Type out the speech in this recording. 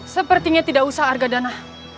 sepertinya tidak usah argadana